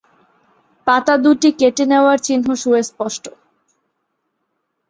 পাতা দুটি কেটে নেওয়ার চিহ্ন সুস্পষ্ট।